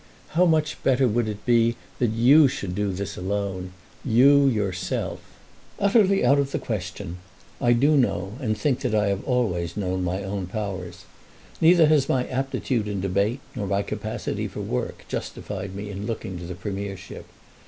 How much better would it be that you should do this alone, you yourself." "Utterly out of the question. I do know and think that I always have known my own powers. Neither has my aptitude in debate nor my capacity for work justified me in looking to the premiership.